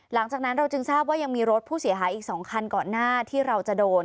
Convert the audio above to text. หลังจากนั้นเราจึงทราบว่ายังมีรถผู้เสียหายอีก๒คันก่อนหน้าที่เราจะโดน